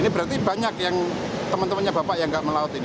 ini berarti banyak yang temen temennya bapak yang enggak melaut ini